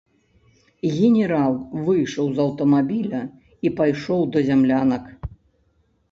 Генерал выйшаў з аўтамабіля і пайшоў да зямлянак.